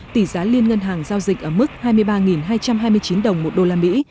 tỷ giá liên ngân hàng giao dịch ở mức hai mươi ba hai trăm hai mươi chín đồng một đô la mỹ